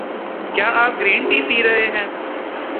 کیا آپ green tea پی رہے ہے؟